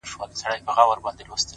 ميسج؛